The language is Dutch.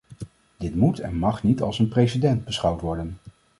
Dit moet en mag niet als een precedent beschouwd worden.